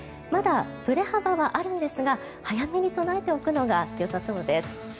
まだ、ぶれ幅はあるんですが早めに備えておくのがよさそうです。